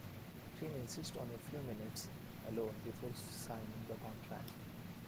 She insists on a few minutes alone before signing the contract.